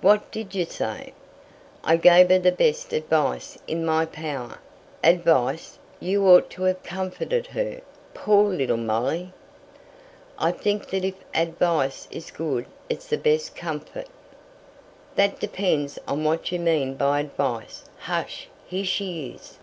"What did you say?" "I gave her the best advice in my power." "Advice! you ought to have comforted her. Poor little Molly!" "I think that if advice is good it's the best comfort." "That depends on what you mean by advice. Hush! here she is."